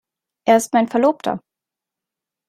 Er ist mein Verlobter.